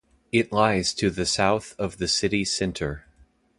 It lies to the south of the city centre.